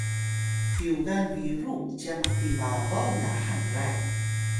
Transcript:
tyugan biru cyan maki babaw na hanray